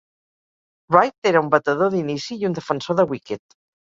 Wright era un batedor d'inici i un defensor de wicket.